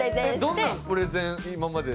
どんなプレゼン今まで。